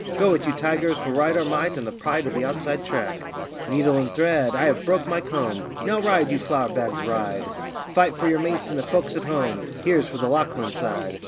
'Go it, you tigers, for Right or Might and the pride of the Outside Track!' 'Needle and thread!' 'I have broke my comb!' 'Now ride, you flour bags, ride!' 'Fight for your mates and the folk at home!' 'Here's for the Lachlan side!